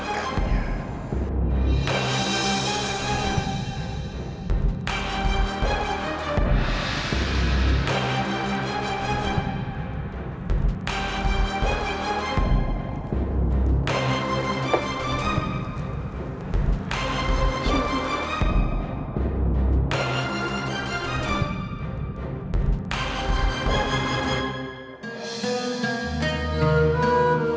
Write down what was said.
aku akan mengembangmu